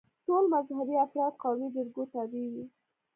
ټول مذهبي افراد قومي جرګو تابع وي.